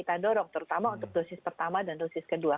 yang terbatas dari dosis kedua